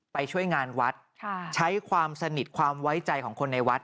ไปช่วยงานวัดใช้ความสนิทความไว้ใจของคนในวัด